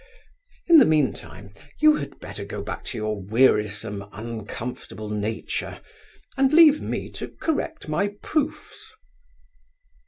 In the meantime, you had better go back to your wearisome uncomfortable Nature, and leave me to correct my proofs.